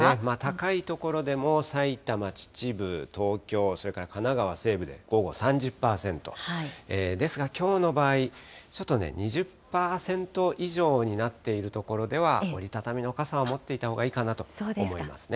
高い所でもさいたま、秩父、東京、それから神奈川西部で午後３０％、ですが、きょうの場合、ちょっとね、２０％以上になっている所では折り畳みの傘を持っていたほうがいいかなと思いますね。